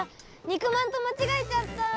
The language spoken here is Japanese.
肉まんとまちがえちゃった！